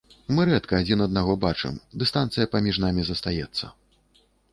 Мы рэдка адзін аднаго бачым, дыстанцыя паміж намі застаецца.